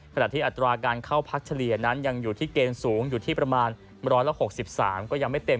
ขณะที่อัตราการเข้าพักเฉลี่ยนั้นยังอยู่ที่เกณฑ์สูงอยู่ที่ประมาณ๑๖๓ก็ยังไม่เต็ม